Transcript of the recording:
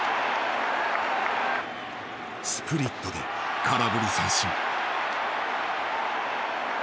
スプリットで空振り三振。